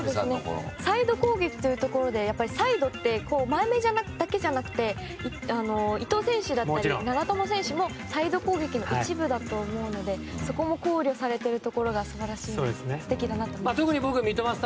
サイド攻撃というところでサイドって前めだけじゃなくて伊藤選手だったり長友選手もサイド攻撃の一部だと思うのでそこを考慮されているところが素晴らしく素敵だなと思います。